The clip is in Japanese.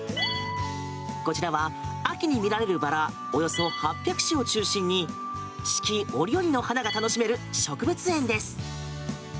こちらは、秋に見られるバラをおよそ８００種を中心に四季折々の花が楽しめる植物園です。